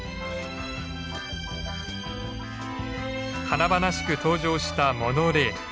華々しく登場したモノレール。